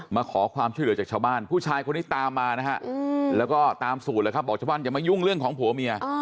มาขอความช่วยเหลือจากชาวบ้านผู้ชายคนนี้ตามมานะฮะแล้วก็ตามสูตรเลยครับบอกชาวบ้านอย่ามายุ่งเรื่องของผัวเมีย